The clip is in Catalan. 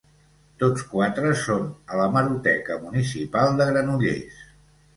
Tots quatre són a l'hemeroteca municipal de Granollers.